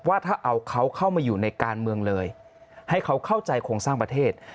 ว่าถ้าเอาเขาเข้ามาอยู่ในการเมืองเลยให้เขาเข้าใจโครงสร้างประเทศ